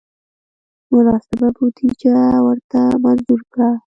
مناسبه بودجه ورته منظور کړه.